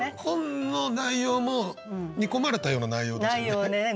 本の内容も煮込まれたような内容だしね。